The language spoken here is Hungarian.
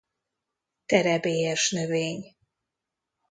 Terebélyes növény.